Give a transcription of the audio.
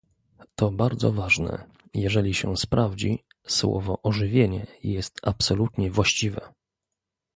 To bardzo ważne, jeżeli się sprawdzi - słowo "ożywienie" jest absolutnie właściwe